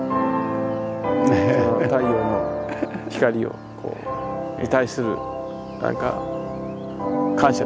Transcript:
太陽の光に対する何か感謝ですね。